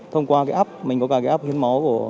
thông qua cái app mình có cả cái app hiên máu